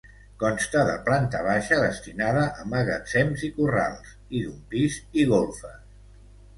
Consta de planta baixa, destinada a magatzems i corrals, i d'un pis i golfes.